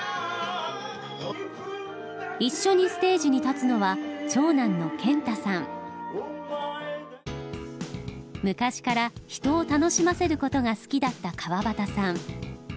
一緒にステージに立つのは昔から人を楽しませることが好きだった川端さん。